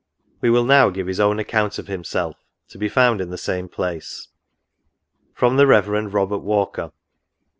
We will now give his own account of himself, to be found in the same place. From the Rev. Robert Walker.